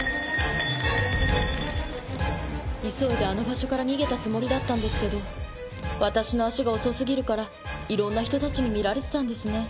急いであの場所から逃げたつもりだったんですけど私の足が遅すぎるからいろんな人たちに見られていたんですね。